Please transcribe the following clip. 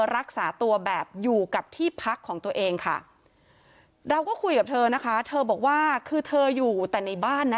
รักษาตัวแบบอยู่กับที่พักของตัวเองค่ะเราก็คุยกับเธอนะคะเธอบอกว่าคือเธออยู่แต่ในบ้านนะ